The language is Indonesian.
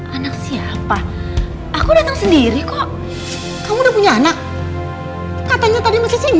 anak siapa aku datang sendiri kok kamu udah punya anak katanya tadi masih